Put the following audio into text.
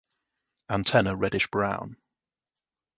Antenna reddish brown.